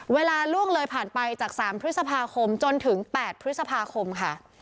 เวลาล่วงเลยผ่านไปจากสามพฤษภาคมจนถึงแปดพฤษภาคมค่ะ